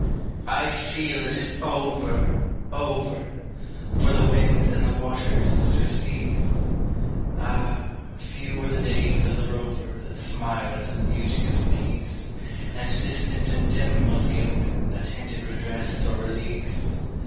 I feel it is over! over! For the winds and the waters surcease; Ah, few were the days of the rover That smiled in the beauty of peace, And distant and dim was the omen That hinted redress or release!